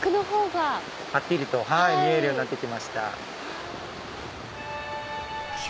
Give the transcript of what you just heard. はっきりと見えるようになってきました。